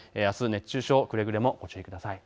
熱中症にくれぐれもご注意ください。